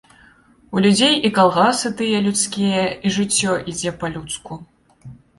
У людзей і калгасы тыя людскія і жыццё ідзе па-людску.